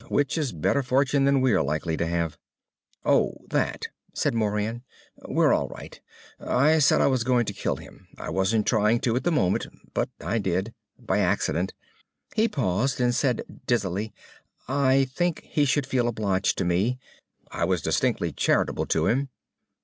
Which is better fortune than we are likely to have." "Oh, that ..." said Moran. "We're all right. I said I was going to kill him. I wasn't trying to at the moment, but I did. By accident." He paused, and said dizzily; "I think he should feel obliged to me. I was distinctly charitable to him!"